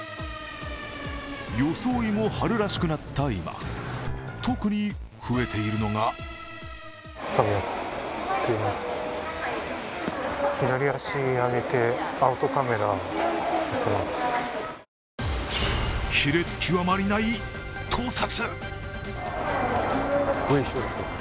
装いも春らしくなった今、特に増えているのが卑劣極まりない盗撮。